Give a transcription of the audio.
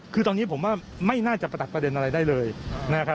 คือตอนนี้ผมว่าไม่น่าจะประดักประเด็นอะไรได้เลยนะครับ